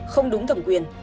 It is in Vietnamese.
không đúng thẩm quyền